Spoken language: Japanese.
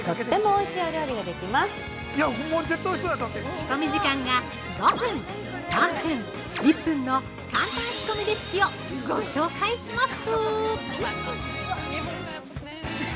◆仕込み時間が５分、３分、１分の簡単仕込みレシピをご紹介します！